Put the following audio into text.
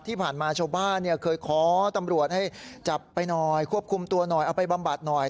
ที่ผ่านมาชาวบ้านเคยขอตำรวจให้จับไปหน่อยควบคุมตัวหน่อยเอาไปบำบัดหน่อย